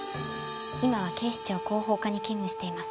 今は警視庁広報課に勤務しています。